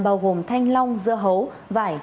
bao gồm thanh long dưa hấu vải